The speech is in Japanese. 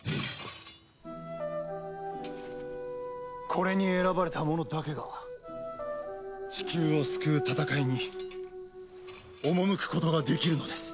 これに選ばれた者だけがチキューを救う戦いに赴くことができるのです。